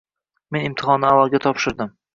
Men imtihonni aʼloga topshirdim.